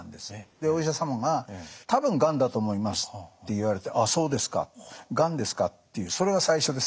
でお医者様が「多分がんだと思います」って言われて「ああそうですか。がんですか」っていうそれが最初ですね。